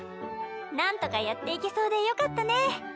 なんとかやっていけそうでよかったね。